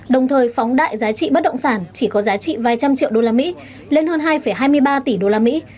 đồng thời phóng đại giá trị bất động sản chỉ có giá trị vài trăm triệu đô la mỹ lên hơn hai hai mươi ba tỷ đô la mỹ